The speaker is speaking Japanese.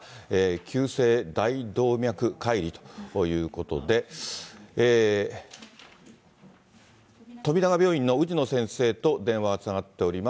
急性大動脈解離ということで、富永病院の氏野先生と電話がつながっております。